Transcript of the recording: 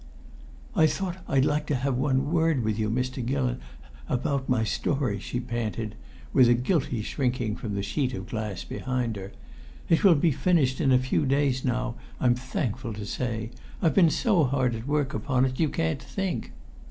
"I thought I'd like to have one word with you, Mr. Gillon, about my story," she panted, with a guilty shrinking from the sheet of glass behind her. "It will be finished in a few days now, I'm thankful to say. I've been so hard at work upon it, you can't think!"